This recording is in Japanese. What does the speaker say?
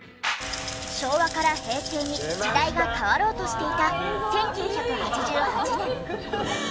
昭和から平成に時代が変わろうとしていた１９８８年。